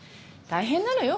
大変なのよ